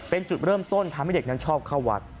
เป็นจุดเริ่มต้นทำให้เด็กนั้นชอบเข้าวัด